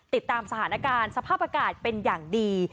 ติดตามสถานการณ์สภาพอากาศเป็นอย่างดี